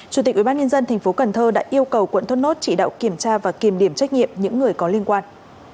chủ tịch ubnd tp cn đã yêu cầu quận thốt nốt chỉ đạo kiểm tra và kiểm điểm trách nhiệm những người có liên quan